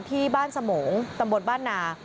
ที่บ้านสมงตำบลบ้านนา